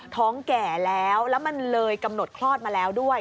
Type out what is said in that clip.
ท้องแก่แล้วแล้วมันเลยกำหนดคลอดมาแล้วด้วย